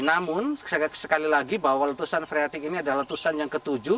namun sekali lagi bahwa letusan freatik ini adalah letusan yang ketujuh